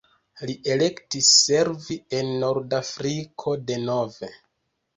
Li elektis servi en Nordafriko denove.